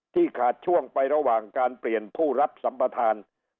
ที่ขาดช่วงไประหว่างการเปลี่ยนผู้รับสัมบัติธรรม